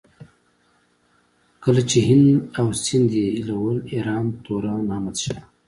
چې هند او سندھ ئې ايلول ايران توران احمد شاه